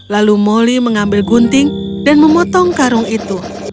lalu moli mengambil gunting dan memotong karung itu